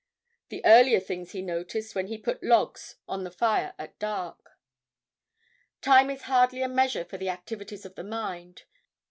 The earlier things he noticed when he put logs on the fire at dark. Time is hardly a measure for the activities of the mind.